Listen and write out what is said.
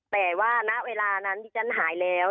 แต่ว่าณเวลานั้นที่ฉันหายแล้ว